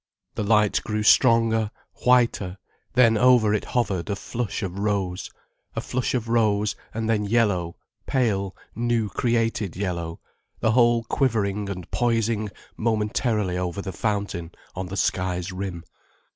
The light grew stronger, whiter, then over it hovered a flush of rose. A flush of rose, and then yellow, pale, new created yellow, the whole quivering and poising momentarily over the fountain on the sky's rim.